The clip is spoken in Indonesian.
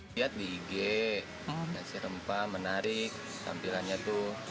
lihat di ig dikasih rempah menarik tampilannya tuh